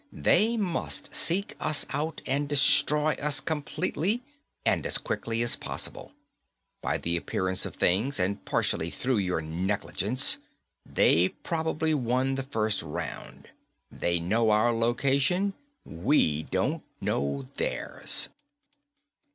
They must seek us out and destroy us completely and as quickly as possible. By the appearance of things, and partially through your negligence, they've probably won the first round. They know our location; we don't know theirs."